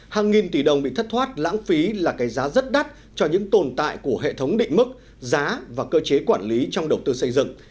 hàng nghìn tỷ đồng bị thất thoát lãng phí là cái giá rất đắt cho những tồn tại của hệ thống định mức giá và cơ chế quản lý trong đầu tư xây dựng